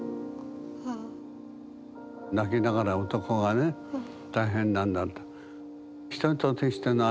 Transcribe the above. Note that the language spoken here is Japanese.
泣きながら男がね大変なんだと。